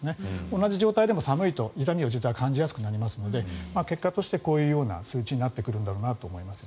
同じ状態でも寒いと痛みは実は感じやすくなりますので結果としてこういうような数値になってくるんだろうと思います。